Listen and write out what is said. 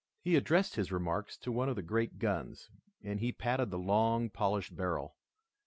He addressed his remarks to one of the great guns, and he patted the long, polished barrel.